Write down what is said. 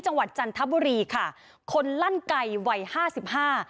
จันทบุรีค่ะคนลั่นไก่วัยห้าสิบห้า